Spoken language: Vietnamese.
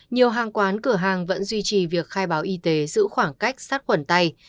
nhiều hàng quán cửa hàng vẫn duy trì việc khai báo y tế giữ khoảng cách sát khuẩn tay